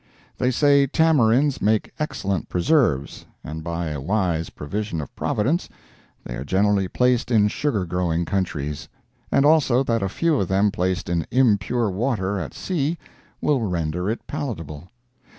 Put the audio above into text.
They say tamarinds make excellent preserves (and by a wise provision of Providence, they are generally placed in sugar growing countries), and also that a few of them placed in impure water at sea will render it palatable.